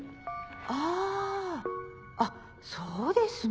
あぁあっそうですね！